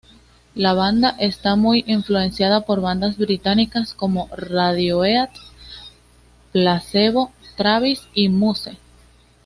La banda está muy influenciada por bandas británicas como Radiohead, Placebo, Travis y Muse.